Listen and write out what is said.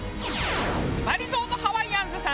スパリゾートハワイアンズさん